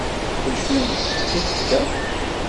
D acu ay yessefk ad t-geɣ?